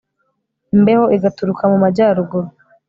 imbeho igaturuka mu majyaruguru